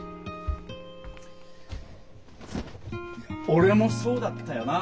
俺もそうだったよな。